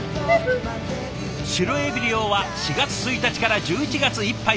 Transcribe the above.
シロエビ漁は４月１日から１１月いっぱいまで。